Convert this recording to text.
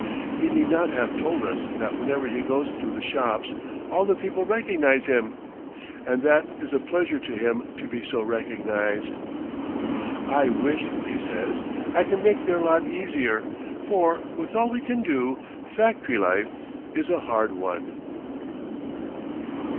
He need not have told us that whenever he goes through the shops all the people recognize him, and that it is a pleasure to him to be so recognized. "I wish," he says, "I could make their lot easier, for, with all we can do, factory life is a hard one."